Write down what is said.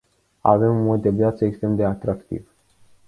Avem un mod de viață extrem de atractiv.